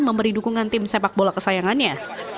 memberi dukungan tim sepak bola kesayangannya